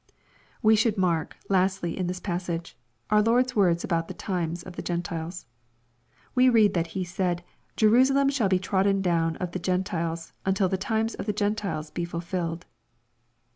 We should mark, lastly, in this passage, our Lord's words about the times of the Gentiles, We read that He said, " Jerusalem shall be trodden down of the Gen tiles, until the times of the Gentiles be fulfilled."